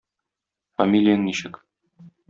Фамилияң ничек?